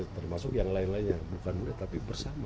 termasuk yang lain lainnya bukan boleh tapi bersama